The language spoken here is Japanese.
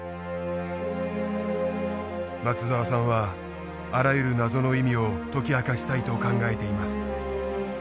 松澤さんはあらゆる謎の意味を解き明かしたいと考えています。